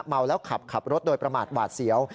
เมาแล้วขับขับรถโดยประมาทหวาดเสียว